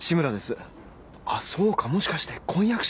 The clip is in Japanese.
あっそうかもしかして婚約者の。